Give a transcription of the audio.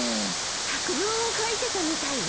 作文を書いてたみたいよ。